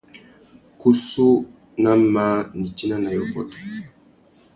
Kussú nà măh nitina nà yôbôt.